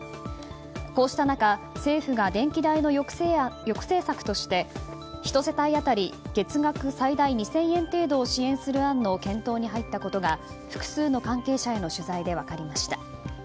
こうした中政府が電気代の抑制策として１世帯当たり月額最大２０００円程度を支援する案の検討に入ったことが複数の関係者への取材で分かりました。